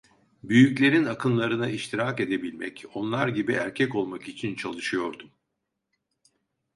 Büyüklerin akınlarına iştirak edebilmek, onlar gibi erkek olmak için çalışıyordum.